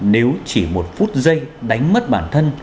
nếu chỉ một phút giây đánh mất bản thân